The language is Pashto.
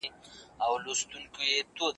که ریشتیا مو تاریخونه د قرنونو درلودلای ,